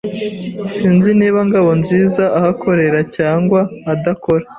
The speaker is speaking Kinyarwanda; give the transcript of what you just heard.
Sinzi niba Ngabonziza ahakorera cyangwa adakora.